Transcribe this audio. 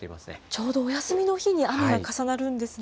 ちょうどお休みの日に雨が重なるんですね。